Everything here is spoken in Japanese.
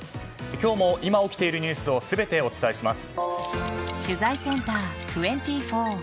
今日も今起きているニュースを全てお伝えします。